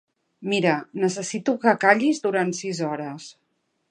Mira, necessito que callis durant sis hores.